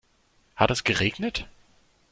Hat es geregnet?